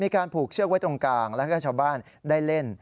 การผูกเชือกไว้ตรงกลางแล้วก็ชาวบ้านได้เล่น